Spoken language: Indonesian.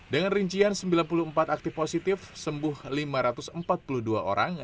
dengan rincian sembilan puluh empat aktif positif sembuh lima ratus empat puluh dua orang